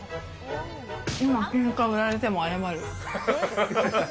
今、喧嘩売られても謝る。